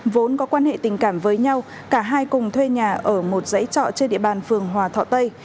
vốn có quan hệ tình cảm với nhau cả hai cùng thuê nhà ở một dãy trọ trên địa bàn phường hòa thọ tây